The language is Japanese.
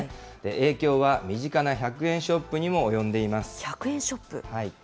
影響は身近な１００円ショップに１００円ショップ？